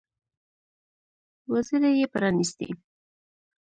وزرې يې پرانيستې.